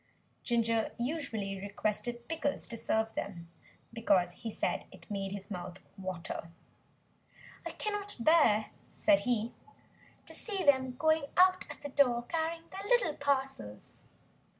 Ginger usually requested Pickles to serve them, because he said it made his mouth water. "I cannot bear," said he, "to see them going out at the door carrying their little parcels."